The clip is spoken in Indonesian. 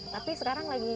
tapi sekarang lagi